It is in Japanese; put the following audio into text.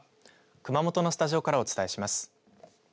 熊本のスタジオからお伝えします。